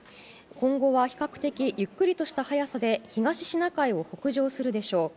今後は比較的ゆっくりとした速さで東シナ海を北上するでしょう。